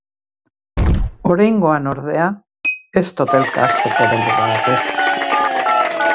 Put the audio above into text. Oraingoan, ordea, ez totelka hasteko beldurragatik.